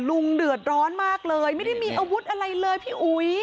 เดือดร้อนมากเลยไม่ได้มีอาวุธอะไรเลยพี่อุ๋ย